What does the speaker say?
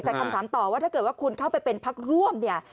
แต่คำถามต่อว่าถ้าเกิดว่าคุณเข้าไปเป็นพักร่วมเนี่ย